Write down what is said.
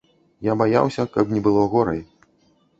Я баяўся, каб не было горай.